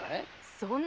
そんな！